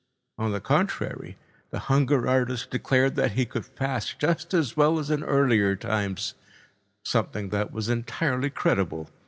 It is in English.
On the contrary, the hunger artist declared that he could fast just as well as in earlier times—something that was entirely credible.